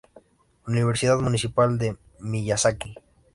Universidad municipal de Miyazaki